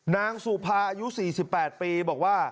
นางสุภาอายุ๔๘ปีบอกว่า